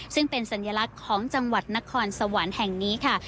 ซึ่งเป็นสัญลักษณ์ของจังหวัดนครสวรรค์แห่งนี้ค่ะ